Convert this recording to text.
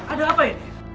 ada apa ini